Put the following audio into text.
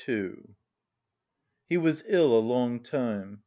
II He was ill a long time.